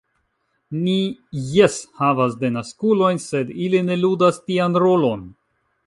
Ni jes havas denaskulojn, sed ili ne ludas tian rolon.